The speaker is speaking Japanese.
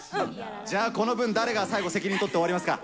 じゃあこの分、最後、責任取って終わりますか？